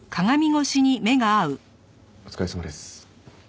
お疲れさまです。